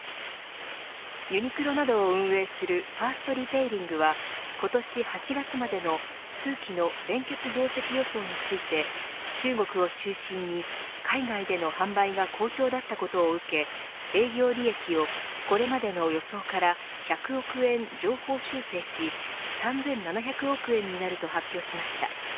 ユニクロなどを運営するファーストリテイリングは今年８月までの通期の連結業績予想について中国を中心に海外での販売が好調だったことを受け営業利益をこれまでの予想から１００億円、上方修正し３７００億円になると発表しました。